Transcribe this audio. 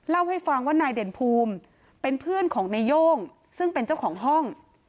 เล่าให้ฟังว่านายเด่นภูมิเป็นเพื่อนของนายโย่งซึ่งเป็นเจ้าของห้อง